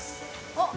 あっ。